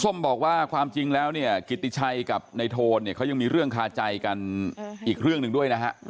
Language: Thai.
บอกว่าความจริงแล้วเนี่ยกิติชัยกับในโทนเนี่ยเขายังมีเรื่องคาใจกันอีกเรื่องหนึ่งด้วยนะฮะ